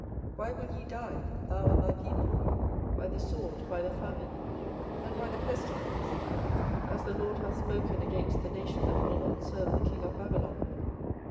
24:027:013 Why will ye die, thou and thy people, by the sword, by the famine, and by the pestilence, as the LORD hath spoken against the nation that will not serve the king of Babylon?